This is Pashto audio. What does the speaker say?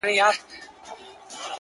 د سترگو کسي چي دي سره په دې لوگيو نه سي-